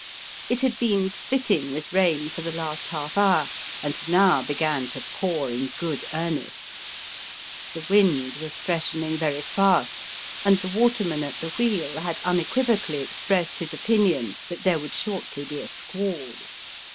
It had been " spitting " with rain for the last half hour, and now began to pour in good earnest. The wind was freshening very fast, and the waterman at the wheel had unequivocally expressed his opinion that there would shortly be a squall.